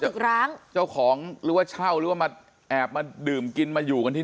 กร้างเจ้าของหรือว่าเช่าหรือว่ามาแอบมาดื่มกินมาอยู่กันที่